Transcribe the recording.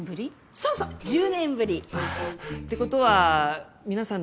そうそう１０年ぶり。ってことは皆さん